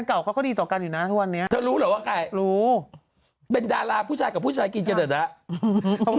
มีกาวเขาได้ต่อกันอีกไหมวันนี้ทอลลูรอวะไก่ลูกเป็นดาราผู้ชายกับผู้ชายกันยัง